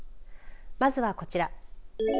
まずはこちら。